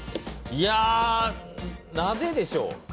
いやー、なぜでしょう？